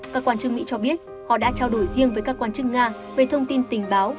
các quan chức mỹ cho biết họ đã trao đổi riêng với các quan chức nga về thông tin tình báo